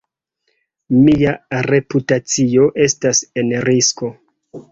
Mia reputacio estas en risko.